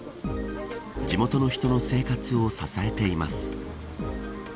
地元の人の生活を支えています。